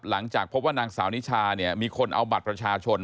หลังจากพบว่านางสาวนิชาเนี่ยมีคนเอาบัตรประชาชน